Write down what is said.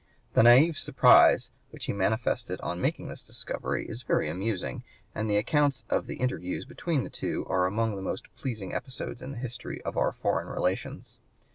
The naïve surprise which he manifested on making this discovery is very amusing, and the accounts of the interviews between the two are among the most pleasing episodes in the history of our foreign relations.